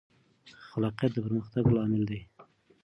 خلاقیت د پرمختګ لامل دی.